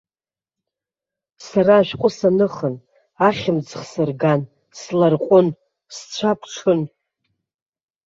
Сара ашәҟәы саныхын, ахьымӡӷ сырган, сларҟәын, сцәа ԥҽын.